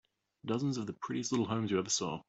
Dozens of the prettiest little homes you ever saw.